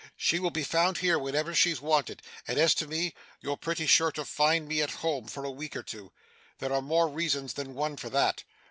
She will be found here, whenever she's wanted; and as to me, you're pretty sure to find me at home, for a week or two. There are more reasons than one for that.